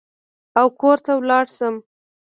او کور ته ولاړ شم.